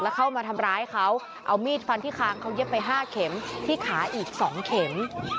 เอามีดฟันที่ค้างเขาเย็บไป๕เข็มที่ขาอีก๒เข็ม